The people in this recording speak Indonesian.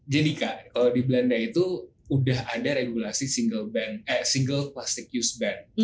jadi kak kalau di belanda itu udah ada regulasi single plastic use ban